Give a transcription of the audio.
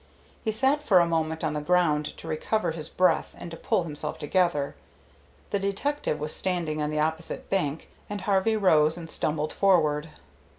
He sat for a moment on the ground to recover his breath and to pull himself together. The detective was standing on the opposite bank and Harvey rose and stumbled forward.